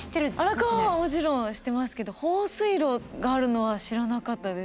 荒川はもちろん知ってますけど放水路があるのは知らなかったです。